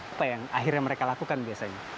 apa yang akhirnya mereka lakukan biasanya